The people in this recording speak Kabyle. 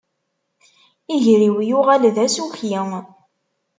Iger-iw yuɣal d asuki